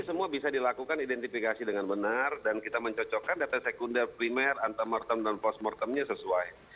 kita harus melakukan identifikasi dengan benar dan kita mencocokkan data sekunder primer antemortem dan postmortemnya sesuai